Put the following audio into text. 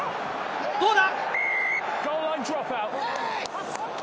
どうだ？